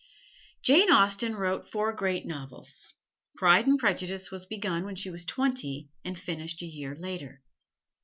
Jane Austen wrote four great novels, "Pride and Prejudice" was begun when she was twenty and finished a year later.